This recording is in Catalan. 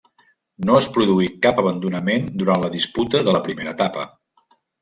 No es produí cap abandonament durant la disputa de la primera etapa.